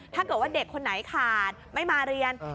ถ้าเกิดว่าเด็กคนไหนขาดไม่มาเรียน